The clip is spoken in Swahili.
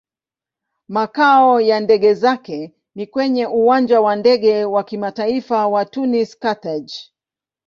Makao ya ndege zake ni kwenye Uwanja wa Ndege wa Kimataifa wa Tunis-Carthage.